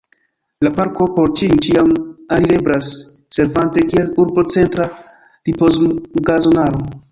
La parko por ĉiuj ĉiam alireblas servante kiel urbocentra ripozumgazonaro.